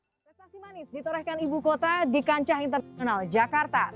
prestasi manis ditorehkan ibu kota di kancah internasional jakarta